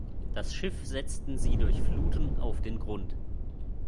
Das Schiff setzten sie durch Fluten auf den Grund.